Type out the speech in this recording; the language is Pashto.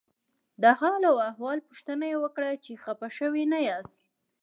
د حال او احوال پوښتنه یې وکړه چې خپه شوي نه یاست.